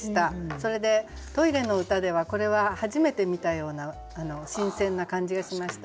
それでトイレの歌ではこれは初めて見たような新鮮な感じがしました。